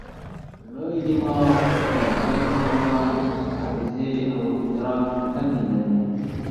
لوی دماغ د زده کړې، توان، حافظې او ادراک دندې لري.